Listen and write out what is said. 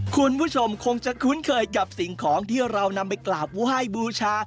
คุณผู้ชมคงจะคุ้นเคยกับสิ่งของที่เรานำไปกราบไหว้บูชา